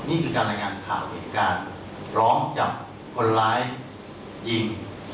นี่คือการรายงานข่าวหรือการร้องจับคนร้ายยิง